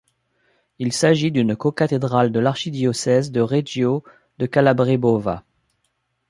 Il s'agit d'une cocathédrale de l'archidiocèse de Reggio de Calabre-Bova.